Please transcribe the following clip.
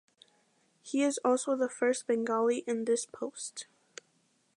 He is also the first Bengali in this post.